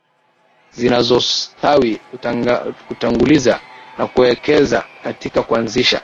zinazostawi kutanguliza na kuwekeza katika kuanzisha